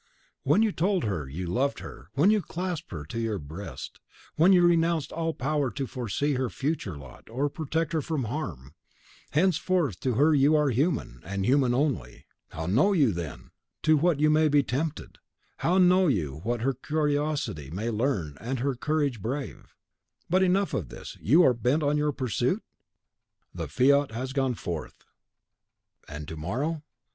"When you told her you loved her, when you clasped her to your breast, you renounced all power to foresee her future lot, or protect her from harm. Henceforth to her you are human, and human only. How know you, then, to what you may be tempted; how know you what her curiosity may learn and her courage brave? But enough of this, you are bent on your pursuit?" "The fiat has gone forth." "And to morrow?"